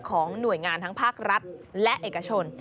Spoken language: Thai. ของหน่วยงานทั้งภาครัฐและเอกชน